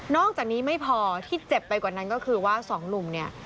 อกจากนี้ไม่พอที่เจ็บไปกว่านั้นก็คือว่าสองหนุ่มเนี่ย